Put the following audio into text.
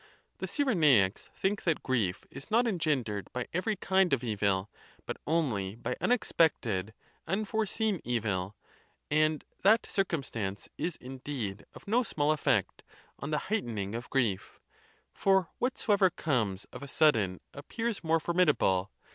The Cyrenaics think that grief is not engendered by every kind of evil, but only by unexpected, unforeseen evil; and that circumstance is, indeed, of no small effect on the heightening of grief; for whatsoever comes of a sudden appears more formidable.